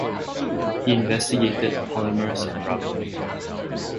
He investigated polymers and rubber.